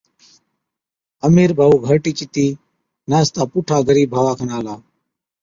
امِير ڀائُو گھَرٽِي چتِي ناستا پُوٺا غرِيب ڀاوا کن آلا،